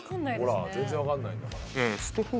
ほら全然分かんないんだから。